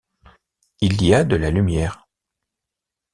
Il y a de la lumière.